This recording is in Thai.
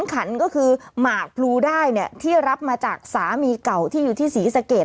ขันก็คือหมากพลูได้เนี่ยที่รับมาจากสามีเก่าที่อยู่ที่ศรีสะเกด